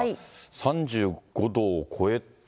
３５度を超えて。